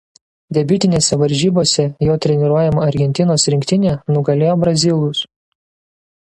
Debiutinėse varžybose jo treniruojama Argentinos rinktinė nugalėjo brazilus.